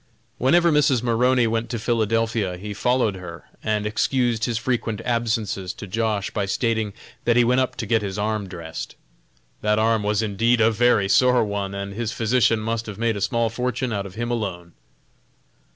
Whenever Mrs. Maroney went to Philadelphia he followed her and excused his frequent absences to Josh. by stating that he went up to get his arm dressed. That arm was indeed a very sore one, and his physician must have made a small fortune out of him alone.